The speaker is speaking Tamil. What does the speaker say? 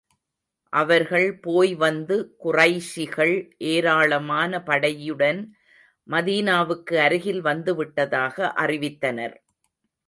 அவர்கள் போய் வந்து, குறைஷிகள் ஏராளமான படையுடன் மதீனாவுக்கு அருகில் வந்து விட்டதாக அறிவித்தனர்.